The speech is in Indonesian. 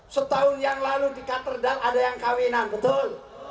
setahun yang lalu di katerdal ada yang kawinan betul